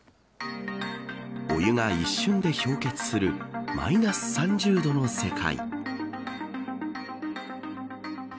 お湯が一瞬で氷結するマイナス３０度の世界。